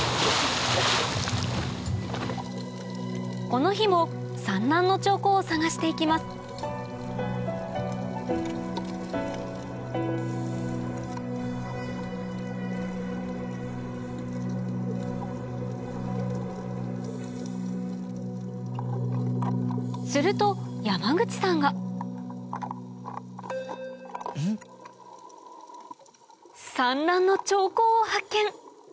この日も産卵の兆候を探して行きますすると山口さんが産卵の兆候を発見